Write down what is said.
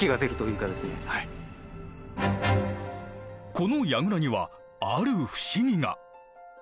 この櫓にはある不思議が。